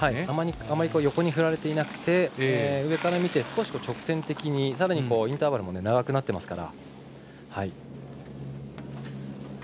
あまり、横に振られていなくて上から見て直線的にインターバルが長くなってますから。